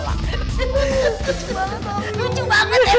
lucu banget ya bang